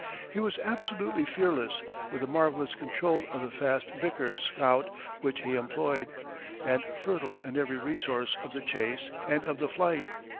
He was absolutely fearless, with a marvelous control of the fast Vickers scout which he employed, and fertile in every resource of the chase and of the flight.